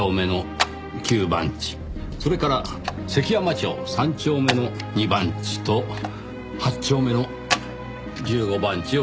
それから関山町３丁目の２番地と８丁目の１５番地を調べましょう。